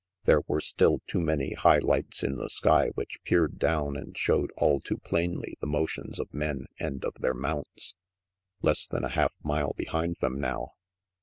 There were still too many high lights in the sky which peered down and showed all too plainly the motions of men and of their mounts. Less than a half mile behind them now!